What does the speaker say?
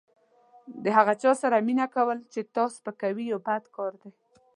د هغه چا سره مینه کول چې تا سپکوي یو بد کار دی.